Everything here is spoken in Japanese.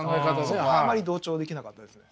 そこはあまり同調できなかったですね。